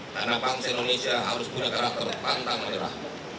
karena bangsa indonesia harus punya karakter pantang menyerah